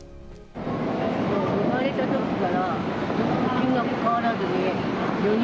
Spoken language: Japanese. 生まれたときから金額変わら